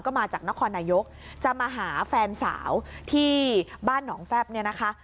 ก็มาจากนครนายกจะมาหาแฟนสาวที่บ้านหนองแฟบเนี่ยนะคะ